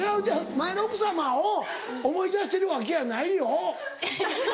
前の奥様を思い出してるわけやないよ。